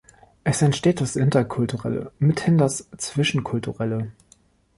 Es entsteht das "Interkulturelle", mithin das "Zwischen"kulturelle.